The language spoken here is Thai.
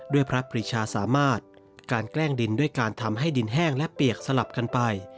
พระปริชาสามารถการแกล้งดินด้วยการทำให้ดินแห้งและเปียกสลับกันไป